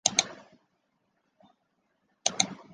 可看到安房国国分寺是比其他国家较为晚期建立。